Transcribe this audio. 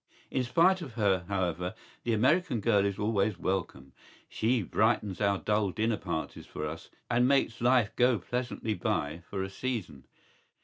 ¬Ý In spite of her, however, the American girl is always welcome.¬Ý She brightens our dull dinner parties for us and makes life go pleasantly by for a season.